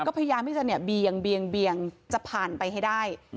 ก็พยายามที่จะเนี่ยเบียงจะผ่านไปให้ได้